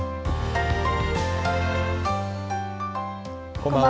こんばんは。